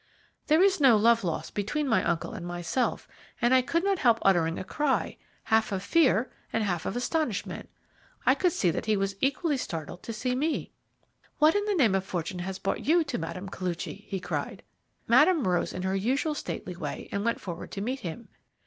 There is no love lost between my uncle and myself, and I could not help uttering a cry, half of fear and half of astonishment. I could see that he was equally startled at seeing me. "'What in the name of fortune has brought you to Mme. Koluchy?' he cried. "Madame rose in her usual stately way and went forward to meet him.